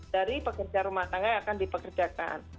dari pekerja rumah tangga yang akan dipekerjakan